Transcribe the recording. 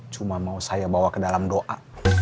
cuma mau saya bawa ke dalam doa